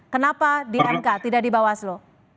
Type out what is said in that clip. kenapa di mk tidak di bawah waslu